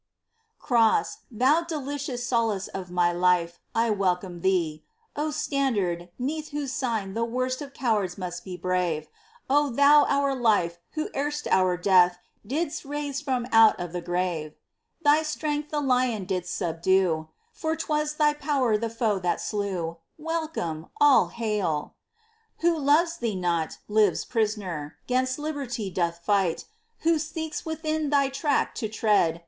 Cross, thou delicious solace of my life, I welcome thee ! O standard, 'neath whose sign, the worst Of cowards must be brave ! O thou our life, who erst our death Didst raise from out the grave ! POEMS. 37 Thy strength the lion didst subdue, For 'twas thy power the foe that slew, — Welcome ! all hail ! Who loves thee not, lives prisoner, 'Gainst liberty doth fight ! Who seeks within thy track to tread.